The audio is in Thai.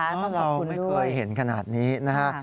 มาบอกคุณด้วยเพราะว่ามันไม่เคยเห็นขนาดนี้นะคะ